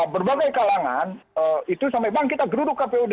berbagai kalangan itu sampai bang kita geruduk kpud